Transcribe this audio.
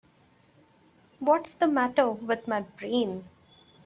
What's the matter with my brain?